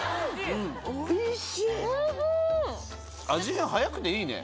変早くていいね。